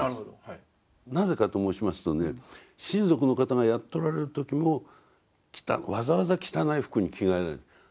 なぜかと申しますとね親族の方がやっておられる時もわざわざ汚い服に着替えられた。